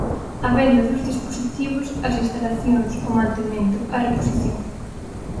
A venda dos dispositivos, as instalacións, o mantemento, a reposición.